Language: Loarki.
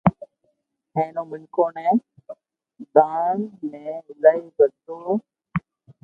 ھين او منيکون ني دان درم ايلائي ڪرتو